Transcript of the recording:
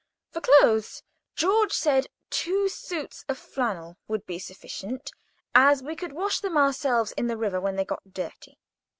For clothes, George said two suits of flannel would be sufficient, as we could wash them ourselves, in the river, when they got dirty.